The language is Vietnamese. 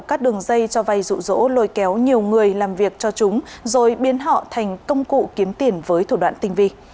các đường dây cho vay rủ rỗ lôi kéo nhiều người làm việc cho chúng rồi biến họ thành công cụ kiếm tiền với thủ đoạn tinh vi